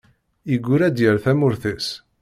Yeggul ar d-yerr tamurt-is.